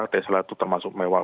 tesla itu termasuk mewah